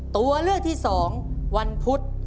ตัวเลือกที่๒วันพุธ